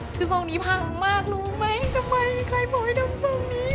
คือทรงนี้พังมากรู้ไหมทำไมใครบอกให้ดำทรงนี้